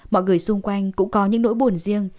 mọi người xung quanh cũng có những nỗi buồn riêng